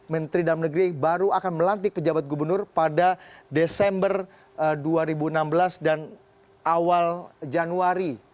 menteri dalam negeri baru akan melantik pejabat gubernur pada desember dua ribu enam belas dan awal januari